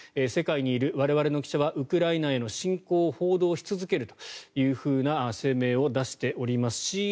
世界にいる我々の記者はウクライナへの侵攻を報道し続けるという声明を出しております。